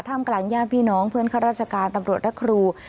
มกลางญาติพี่น้องเพื่อนข้าราชการตำรวจและครู